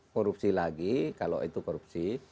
korupsi lagi kalau itu korupsi